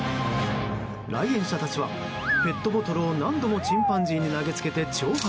来園者たちは、ペットボトルを何度もチンパンジーに投げつけて挑発。